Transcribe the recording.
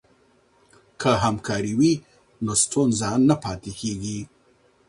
که همکاري وي نو ستونزه نه پاتې کیږي.